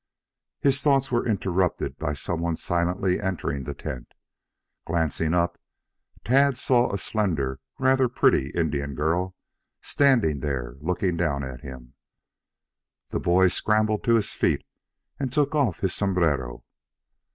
His thoughts were interrupted by some one silently entering the tent. Glancing up, Tad saw a slender, rather pretty Indian girl standing there looking down at him. The boy scrambled to his feet and took off his sombrero.